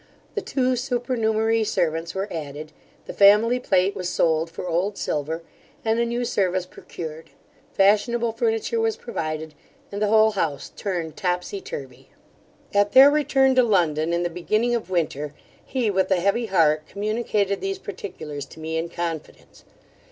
The two supernumerary servants were added The family plate was sold for old silver, and a new service procured; fashionable furniture was provided, and the whole house turned topsy turvy. At their return to London in the beginning of winter, he, with a heavy heart, communicated these particulars to me in confidence.